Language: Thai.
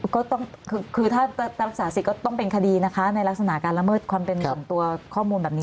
ก็คือถ้ารักษาสิทธิ์ก็ต้องเป็นคดีนะคะในลักษณะการละเมิดความเป็นส่วนตัวข้อมูลแบบนี้